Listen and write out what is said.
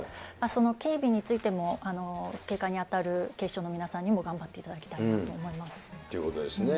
その警備についても、警戒に当たる警視庁の皆さんにも頑張っていただきたいなと思いまということですね。